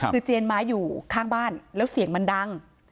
คือเจียนไม้อยู่ข้างบ้านแล้วเสียงมันดัง